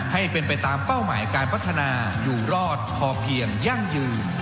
ให้เป็นไปตามเป้าหมายการพัฒนาอยู่รอดพอเพียงยั่งยืน